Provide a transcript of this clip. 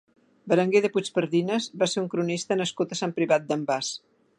Berenguer de Puigpardines va ser un cronista nascut a Sant Privat d'en Bas.